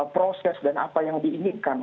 proses dan apa yang diinginkan